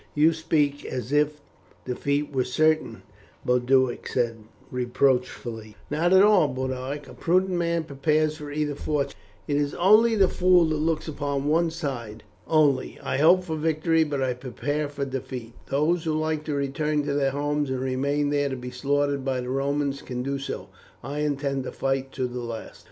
"You speak as if defeat were certain," Boduoc said reproachfully. "Not at all, Boduoc; a prudent man prepares for either fortune, it is only the fool that looks upon one side only. I hope for victory, but I prepare for defeat; those who like to return to their homes and remain there to be slaughtered by the Romans, can do so. I intend to fight to the last."